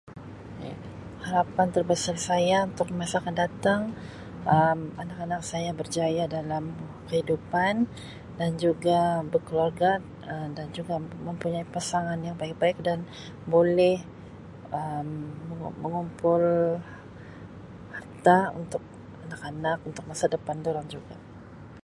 Ya harapan terbesar saya untuk di masa akan datang Um anak-anak saya berjaya dalam kehidupan dan juga bekeluarga Um dan juga mempunyai pasangan yang baik-baik dan boleh Um me-mengumpul harta untuk anak-anak untuk masa depan dorang juga.